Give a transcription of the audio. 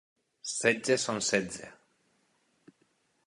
Setze són setze.